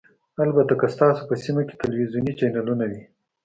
البته که ستاسو په سیمه کې تلویزیوني چینلونه وي